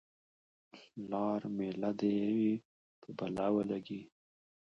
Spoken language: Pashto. لار میله دې په بلا ولګي.